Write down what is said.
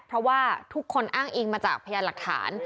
เพราะว่าทุกคนอ้างอิงมาจากพยานหลักฐาน